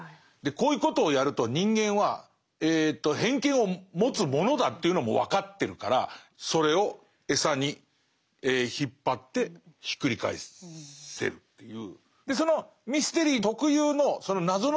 こういうことをやると人間は偏見を持つものだというのも分かってるからそれを餌に引っ張ってひっくり返せるという。